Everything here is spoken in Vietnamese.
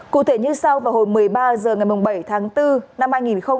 cụ thể như sau vào hồi một mươi ba h ngày bảy tháng bốn năm hai nghìn hai mươi